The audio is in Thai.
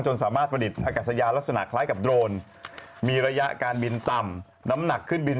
สามารถผลิตอากาศยาลักษณะคล้ายกับโดรนมีระยะการบินต่ำน้ำหนักขึ้นบิน